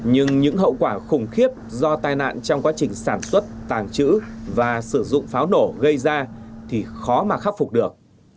nhưng những hậu quả khủng khiếp do tai nạn trong quá trình sản xuất tàng trữ và sử dụng pháo nổ gây ra thì khó mà khắc phục được